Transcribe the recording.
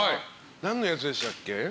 何の役でしたっけ？